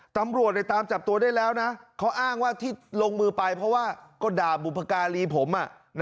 ตำรวจตามจับตัวได้แล้วนะเขาอ้างว่าที่ลงมือไปเพราะว่าก็ด่าบุพการีผม